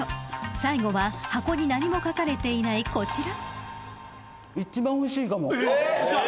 最後は箱に何も書かれていないこちら］